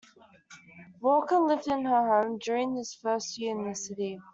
Walker lived in her home during his first year in the city.